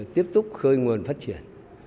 tiếp tục khơi nguồn phát triển